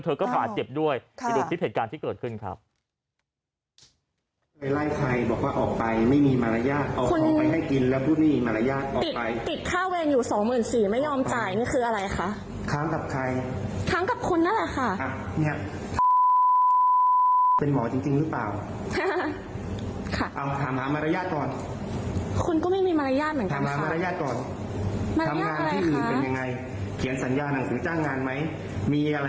เธอก็บาดเจ็บด้วยไปดูคลิปเหตุการณ์ที่เกิดขึ้นครับ